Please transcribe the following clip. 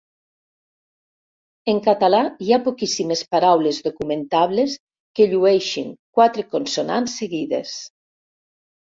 En català hi ha poquíssimes paraules documentables que llueixin quatre consonants seguides.